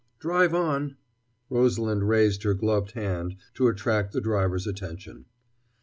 "Drive on " Rosalind raised her gloved hand to attract the driver's attention.